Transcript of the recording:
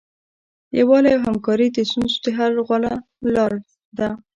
یووالی او همکاري د ستونزو د حل غوره لاره ده.